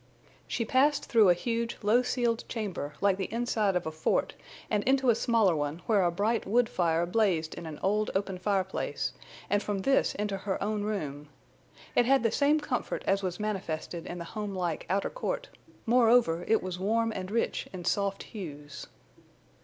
She passed through a huge low ceiled chamber, like the inside of a fort, and into a smaller one where a bright wood fire blazed in an old open fireplace, and from this into her own room. It had the same comfort as was manifested in the home like outer court; moreover, it was warm and rich in soft hues.